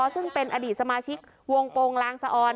ซึ่งเป็นอดีตสมาชิกวงโปรงลางสะออน